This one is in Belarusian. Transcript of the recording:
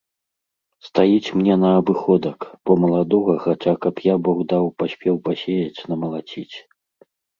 Стаіць мне на абыходак, бо маладога хаця каб я, бог даў, паспеў пасеяць, намалаціць.